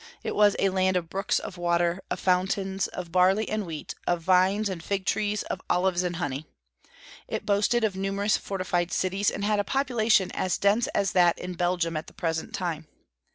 It was "a land of brooks of water, of fountains, of barley and wheat, of vines and fig trees, of olives and honey." It boasted of numerous fortified cities, and had a population as dense as that in Belgium at the present time.